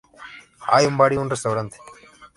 Hay un bar y un restaurante.